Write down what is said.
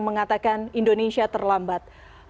mengatakan indonesia terlambat